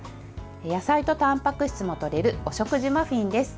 野菜とたんぱく質もとれるお食事マフィンです。